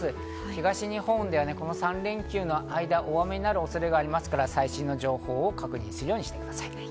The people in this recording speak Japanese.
東日本ではこの３連休の間、大雨になる恐れがありますから、最新の情報を確認するようにしてください。